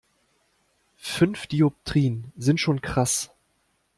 Fünf Dioptrien sind schon krass.